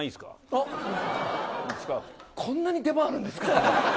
じゃあ、こんなに出番あるんですか。